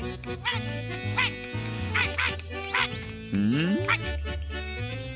ん？